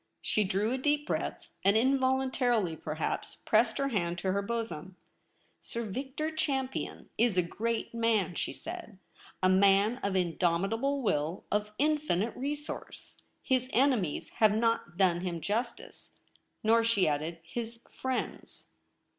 She drew a deep breath, and, involuntarily, perhaps, pressed her hand to her bosom. ' Sir Victor Champion is a ereat man,' she said ;' a man of indomitable will, of infinite resource. His enemies have not done him justice, nor,' she added, *his friends.'